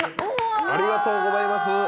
ありがとうございます！